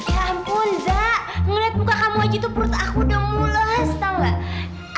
ya ampun zak ngeliat muka kamu aja tuh perut aku udah mulas tau gak